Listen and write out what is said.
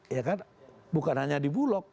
ya kan bukan hanya di bulog